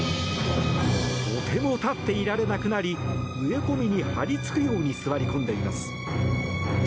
とても立っていられなくなり植え込みに張り付くように座り込んでいます。